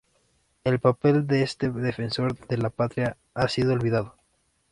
El papel de este defensor de la patria ha sido olvidado.